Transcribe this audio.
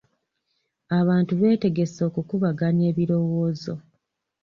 Abantu baategese okukubaganya ebirowoozo.